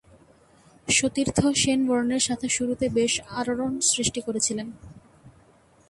সতীর্থ শেন ওয়ার্নের সাথে শুরুতে বেশ আলোড়ন সৃষ্টি করেছিলেন।